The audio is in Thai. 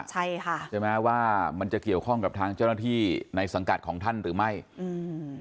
ใช่ค่ะใช่ไหมว่ามันจะเกี่ยวข้องกับทางเจ้าหน้าที่ในสังกัดของท่านหรือไม่อืม